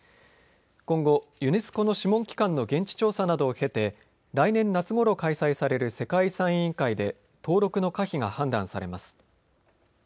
今後、ユネスコの諮問機関の現地調査などを経て来年夏ごろ開催される世界遺産委員会で登録の可否が判断されます。